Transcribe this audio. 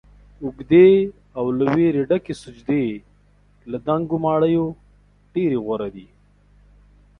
اوږدې او له ويرې ډکې سجدې له دنګو ماڼیو ډيرې غوره دي